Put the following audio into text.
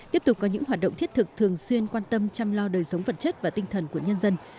tiếp tục có những hoạt động thiết thực thường xuyên quan tâm chăm lo đời sống vật chất và tinh thần của nhân dân